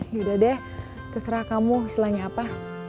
yaudah deh terserah kamu istilahnya apa